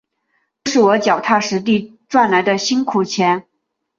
都是我脚踏实地赚来的辛苦钱